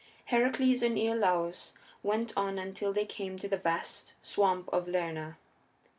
Heracles and Iolaus went on until they came to the vast swamp of Lerna.